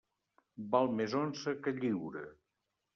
Val més onça que lliura.